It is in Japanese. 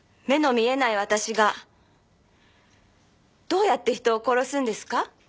目の見えない私がどうやって人を殺すんですか？